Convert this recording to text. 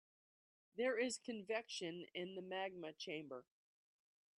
There is convection in the magma chamber.